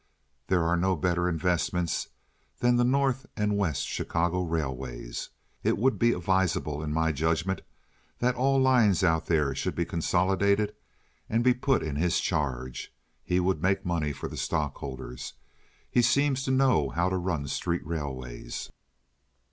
There are no better investments than the North and West Chicago railways. It would be advisable, in my judgment, that all the lines out there should be consolidated and be put in his charge. He would make money for the stockholders. He seems to know how to run street railways."